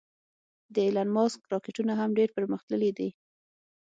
د ایلان ماسک راکټونه هم ډېر پرمختللې دې